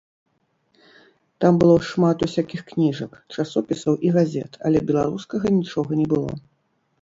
Там было шмат усякіх кніжак, часопісаў і газет, але беларускага нічога не было.